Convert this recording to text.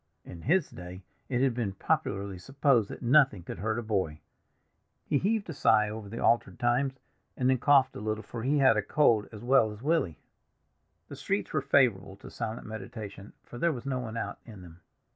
In his day it had been popularly supposed that nothing could hurt a boy. He heaved a sigh over the altered times, and then coughed a little, for he had a cold as well as Willy. The streets were favorable to silent meditation, for there was no one out in them.